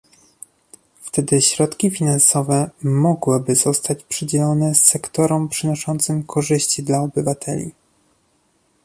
Wtedy środki finansowe mogłyby zostać przydzielone sektorom przynoszącym korzyści dla obywateli